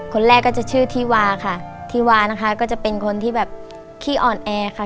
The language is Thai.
คนแรกก็จะชื่อที่วาค่ะที่วานะคะก็จะเป็นคนที่แบบขี้อ่อนแอค่ะ